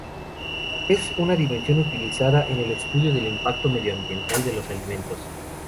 Es una dimensión utilizada en el estudio del impacto medioambiental de los alimentos.